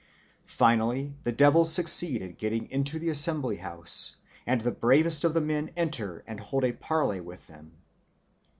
Finally the devils succeed in getting into the assembly house, and the bravest of the men enter and hold a parley with them.